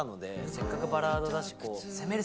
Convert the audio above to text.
せっかくバラードだし、攻める！